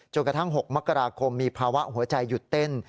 กระทั่ง๖มกราคมมีภาวะหัวใจหยุดเต้น